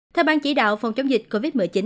theo bang chỉ đạo phòng chống dịch covid một mươi chín